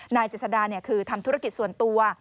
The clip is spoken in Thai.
นายเจษดาคือทำธุรกิจส่วนตัว